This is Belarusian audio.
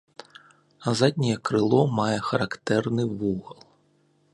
Задняе крыло мае характэрны вугал.